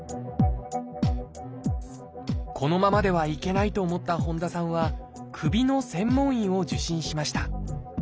このままではいけないと思った本多さんは首の専門医を受診しました。